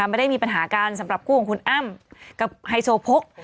ไม่ได้มีปัญหากันสำหรับคู่ของคุณอ้ำกับไฮโซโพก